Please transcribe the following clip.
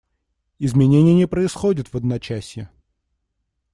Изменения не происходят в одночасье.